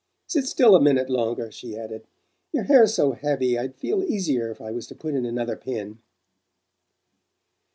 "Sit still a minute longer," she added. "Your hair's so heavy I'd feel easier if I was to put in another pin."